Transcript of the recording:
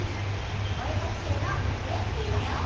おえかきせいのクレッピーだよ！